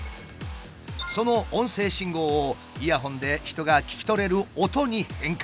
その音声信号をイヤホンで人が聞き取れる音に変換。